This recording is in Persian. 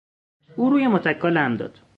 او روی متکا لم داد.